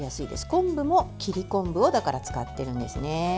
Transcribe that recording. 昆布も切り昆布をだから使ってるんですね。